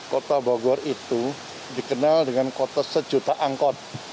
kota bogor itu dikenal dengan kota sejuta angkot